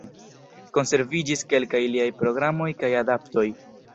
Konserviĝis kelkaj liaj programoj kaj adaptoj.